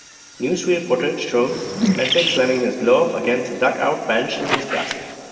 Newsreel footage shows Medwick slamming his glove against the dugout bench in disgust.